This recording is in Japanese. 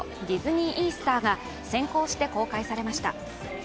ディズニー・イースターが先行して公開されました。